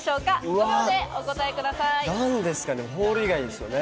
５秒でお答えください。